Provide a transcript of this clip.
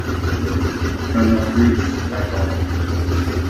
'Irma Grese', I called.